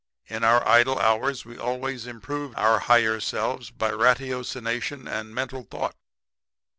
In our idle hours we always improved our higher selves by ratiocination and mental thought.